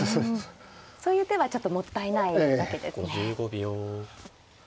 そういう手はちょっともったいないわけですね。